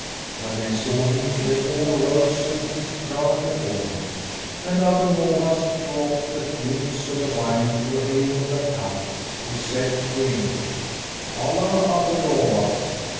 When they saw him, they all rose and kissed ground before him; and Abu Nowas threw off the fumes of the wine for awe of the Caliph, who said to him, "Holla, Abu Nowas!"